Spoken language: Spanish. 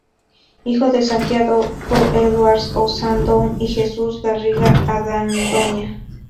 Hijo de Santiago Edwards Ossandón y Jesús Garriga Argandoña.